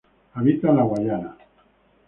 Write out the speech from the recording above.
Habita en la Guayana.